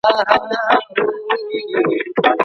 ژورنالیزم پوهنځۍ له مشورې پرته نه اعلانیږي.